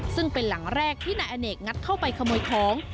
ซึ่งเป็นหลังแรกที่นายอเนกงัดเข้าไปขโมยของ